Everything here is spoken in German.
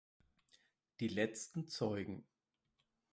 Die letzten Zeugen.